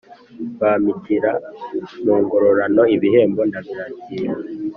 Bampitira mu ngororano ibihembo ndabyakira